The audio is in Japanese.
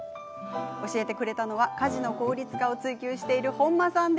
教えてくれたのは家事の効率化を追求している本間さん。